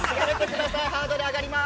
ハードルが上がります。